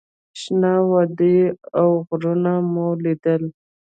شنه وادي او غرونه مو لیدل.